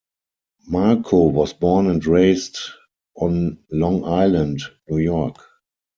Marco was born and raised on Long Island, New York.